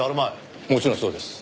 もちろんそうです。